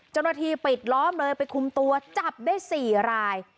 เจ้าหน้าที่ปิดล้อมเลยไปคุมตัวจับได้๔ราย